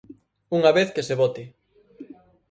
Unha vez que se vote.